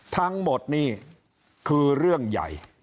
ทั้งหมดนี่คือเรื่องใหญ่